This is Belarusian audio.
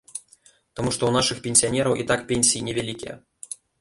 Таму што ў нашых пенсіянераў і так пенсіі невялікія.